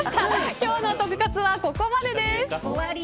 今日のトク活はここまでです。